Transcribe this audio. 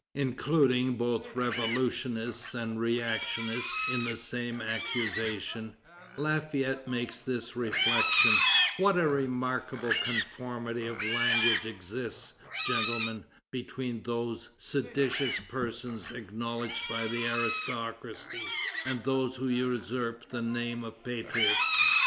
Including both revolutionists and reactionists in the same accusation, Lafayette makes this reflection: "What a remarkable conformity of language exists, gentlemen, between those seditious persons acknowledged by the aristocracy, and those who usurp the name of patriots!